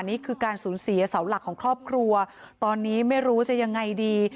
นี่คือการสูญเสียเสาหลักของครอบครัวตอนนี้ไม่รู้จะยังไงดี